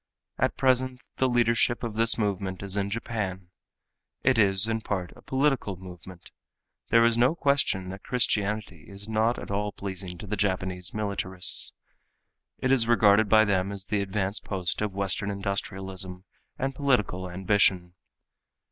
At present the leadership of this movement is in Japan. It is in part a political movement. There is no question that Christianity is not at all pleasing to the Japanese militarists. It is regarded by them as the advance post of western industrialism and political ambition.